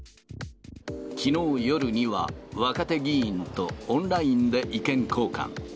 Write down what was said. きのう夜には、若手議員とオンラインで意見交換。